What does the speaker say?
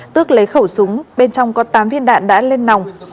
tước lấy khẩu súng bên trong có tám viên đạn đã lên nòng